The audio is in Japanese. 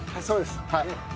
そうです。